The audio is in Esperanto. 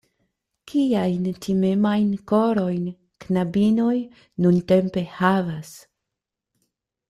Kiajn timemajn korojn knabinoj nuntempe havas!